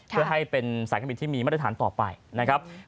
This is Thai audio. เพื่อให้เป็นสายการบินที่มีมาตรฐานต่อไปนะครับ